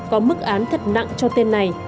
có mức án thật nặng cho tên này